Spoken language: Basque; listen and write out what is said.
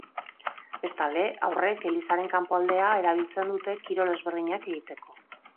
Bestalde, haurrek elizaren kanpoaldea erabiltzen dute kirol ezberdinak egiteko.